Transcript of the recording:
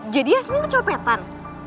jadi yasmin kecopetan